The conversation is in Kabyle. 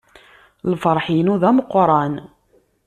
Lferḥ-inu d ameqqran.